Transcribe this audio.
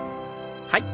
はい。